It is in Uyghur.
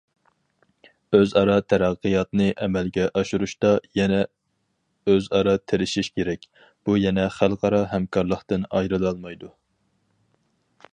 ئۆزئارا تەرەققىياتنى ئەمەلگە ئاشۇرۇشتا، يەنە ئۆزئارا تىرىشىش كېرەك، بۇ يەنە خەلقئارا ھەمكارلىقتىن ئايرىلالمايدۇ.